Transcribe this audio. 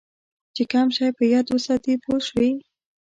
چې کم شی په یاد وساتې پوه شوې!.